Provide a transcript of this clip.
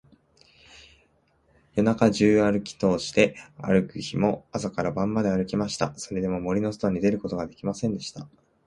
夜中じゅうあるきとおして、あくる日も朝から晩まであるきました。それでも、森のそとに出ることができませんでした。